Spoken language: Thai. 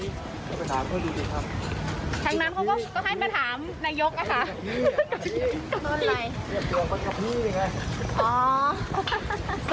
ทางนั้นเขาก็ให้มาถามนายกอะค่ะ